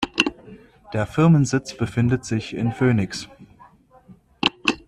Der Firmensitz befindet sich in Phoenix.